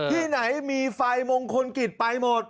ที่ไหนมีไฟมงคลกิจไปหมด